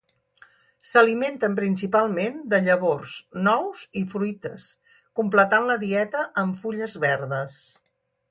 S'alimenten principalment de llavors, nous i fruites, completant la dieta amb fulles verdes.